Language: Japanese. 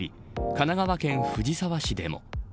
神奈川県藤沢市でも。